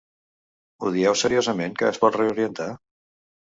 Ho dieu seriosament, que es pot reorientar?